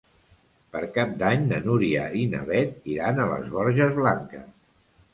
Per Cap d'Any na Núria i na Beth iran a les Borges Blanques.